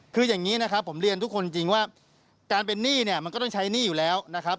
คืออย่างนี้นะครับผมเรียนทุกคนจริงว่าการเป็นหนี้เนี่ยมันก็ต้องใช้หนี้อยู่แล้วนะครับ